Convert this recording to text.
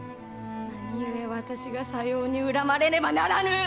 何故私がさように恨まれねばならぬ！